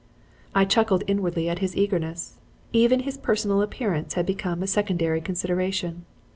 "I chuckled inwardly at his eagerness. Even his personal appearance had become a secondary consideration.